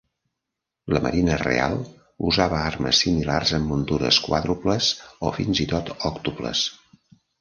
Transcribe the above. La Marina Real usava armes similars en muntures quàdruples o fins i tot òctuples.